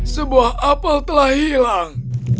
sebuah apel telah hilang